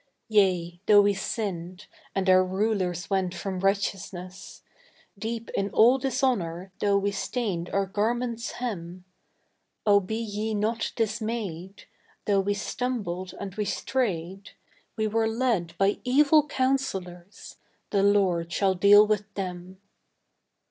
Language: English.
_ _Yea, though we sinned and our rulers went from righteousness Deep in all dishonour though we stained our garments' hem. Oh be ye not dismayed, Though we stumbled and we strayed, We were led by evil counsellors the Lord shall deal with them.